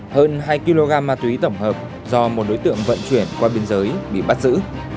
hơn hai kg ma túy tổng hợp do một đối tượng vận chuyển qua biên giới bị bắt giữ